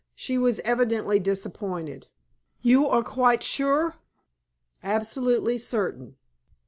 She was evidently disappointed. "You are quite sure?" "Absolutely certain."